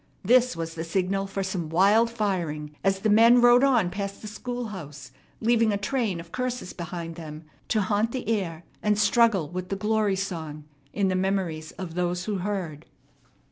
This was the signal for some wild firing as the men rode on past the schoolhouse, leaving a train of curses behind them to haunt the air and struggle with the "Glory Song" in the memories of those who heard.